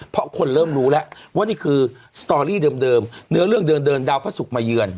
เพราะคนเริ่มรู้แล้วว่านี่คือสตอรี่เดิมเนื้อเรื่องเดินดาวพระศุกร์มาเยือน